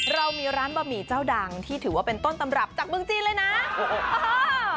เรามีร้านบะหมี่เจ้าดังที่ถือว่าเป็นต้นตำรับจากเมืองจีนเลยนะโอ้โห